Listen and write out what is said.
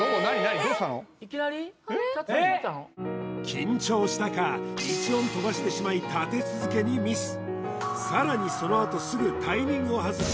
緊張したか一音飛ばしてしまい立て続けにミスさらにそのあとすぐタイミングを外し